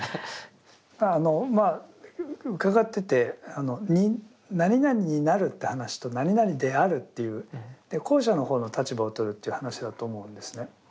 あのまあ伺ってて「何々になる」って話と「何々である」っていう後者の方の立場をとるという話だと思うんですね。